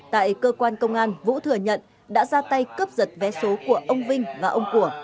tại cơ quan công an vũ thừa nhận đã ra tay cướp giật vé số của ông vinh và ông của